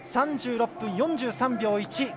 ３６分４３秒１。